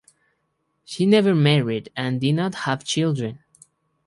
She never married and did not have children.